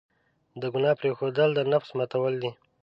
د ګناه پرېښودل، د نفس ماتول دي.